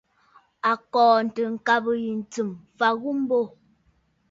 A kɔɔntə ŋgabə yǐ ntsɨ̀m m̀fa ghu mbô.